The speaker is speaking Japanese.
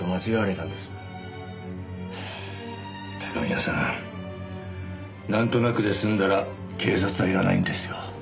なんとなくで済んだら警察はいらないんですよ。